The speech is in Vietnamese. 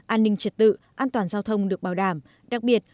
an ninh trật tự an toàn giao thông được bảo đảm đặc biệt